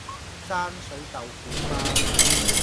山水豆腐花